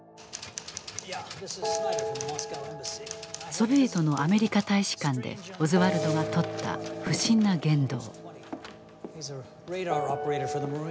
ソビエトのアメリカ大使館でオズワルドがとった不審な言動。